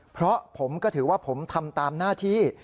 เพราะผมก็ถือว่าผมทำตามหน้าที่